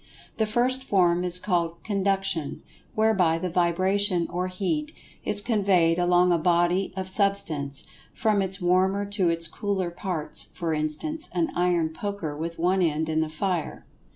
The first form is called "Conduction," whereby the vibration, or Heat, is conveyed along a body of Substance, from its warmer to its cooler parts—for instance, an iron poker with one end in the fire.